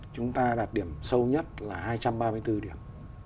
chúng ta đạt điểm sâu nhất là hai trăm ba mươi bốn điểm